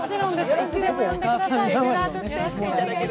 いつでも呼んでください。